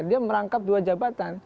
dia merangkap dua jabatan